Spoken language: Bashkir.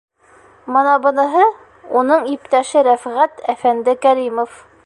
Бына быныһы - уның иптәше Рәфғәт әфәнде Кәримов.